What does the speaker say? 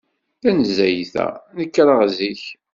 Tanezzayt-a, nekreɣ zik.